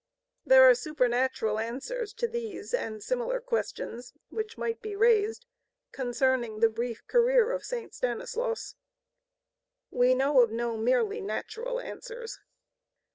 There are supernatural answers to these and similar questions which might be raised concerning the brief career of St. Stanislaus. We know of no merely natural answers.